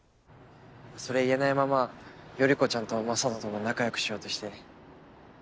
それ言えないまま頼子ちゃんとも雅人とも仲良くしようとして。